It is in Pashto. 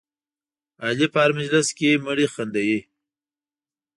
علي په هر مجلس کې مړي خندوي.